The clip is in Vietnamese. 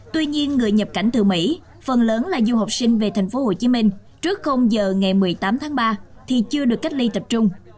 tuy nhiên người nhập cảnh từ mỹ phần lớn là du học sinh về tp hcm trước giờ ngày một mươi tám tháng ba thì chưa được cách ly tập trung